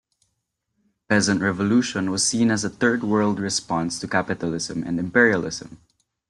Peasant revolution was seen as a Third World response to capitalism and imperialism.